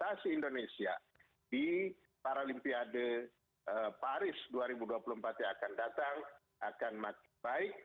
dan prestasi indonesia di paralimpiade paris dua ribu dua puluh empat yang akan datang akan makin baik